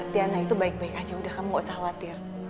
tiana itu baik baik aja udah kamu gak usah khawatir